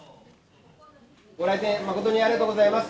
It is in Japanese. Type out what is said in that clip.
ご来店誠にありがとうございます。